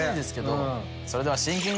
それでは。